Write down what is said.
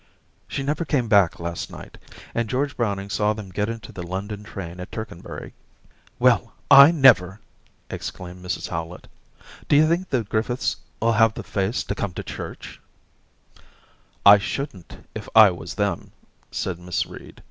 ...* She never came back last night, and George Browning saw them get into the London train at Tercanbury. '* Well, I never !' exclaimed Mrs Howlett. ' D'you think the Griffiths '11 have the face to come to church }'* I shouldn't if I was them,' said Miss Reed.